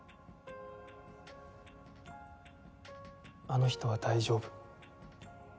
あの人は大丈夫。